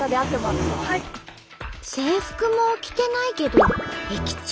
制服も着てないけど駅長？